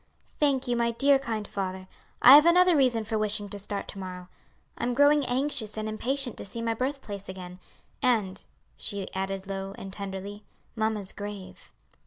"Thank you, my dear kind father. I have another reason for wishing to start to morrow. I'm growing anxious and impatient to see my birthplace again: and," she added low and tenderly, "mamma's grave."